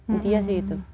intinya sih itu